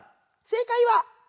正解は？